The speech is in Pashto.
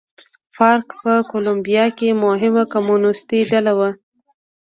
فارک په کولمبیا کې مهمه کمونېستي ډله وه.